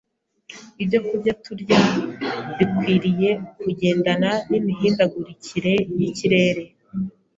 Ibyokurya turya bikwiriye kugendana n’imihindagurikire y’ikirere.